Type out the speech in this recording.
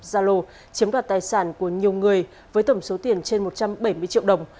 gia lô chiếm đoạt tài sản của nhiều người với tổng số tiền trên một trăm bảy mươi triệu đồng